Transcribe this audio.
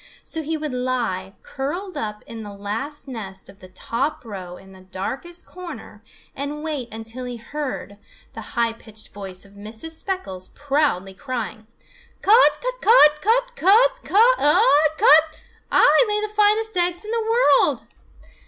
So he would lie curled up in the last nest of the top row in the darkest corner and wait until he heard the high pitched voice of Mrs. Speckles proudly crying: "Cut, cut, cut, cut, cut, cut aa cut! I lay the finest eggs in the world!"